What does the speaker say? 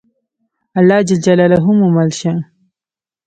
الله ج مو مل شه.